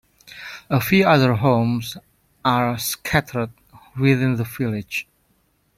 A few other homes are scattered within the village.